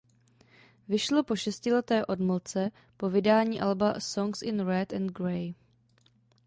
Vyšlo po šestileté odmlce po vydání alba "Songs in Red and Gray".